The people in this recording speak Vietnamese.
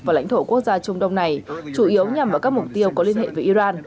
vào lãnh thổ quốc gia trung đông này chủ yếu nhằm vào các mục tiêu có liên hệ với iran